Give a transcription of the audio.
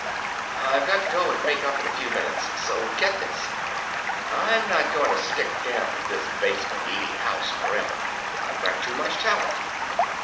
"I've got to go and make up in a few minutes. So get this. I'm not going to stick down in this basement eating house forever. I've got too much talent.